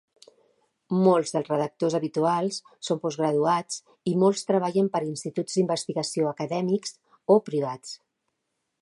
Molts dels redactors habituals són postgraduats, i molts treballen per instituts d'investigació acadèmics o privats.